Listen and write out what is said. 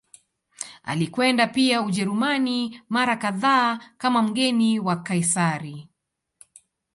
Alikwenda pia Ujerumani mara kadhaa kama mgeni wa Kaisari.